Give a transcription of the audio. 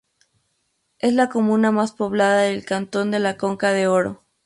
Es la comuna más poblada del cantón de La Conca-d'Oro.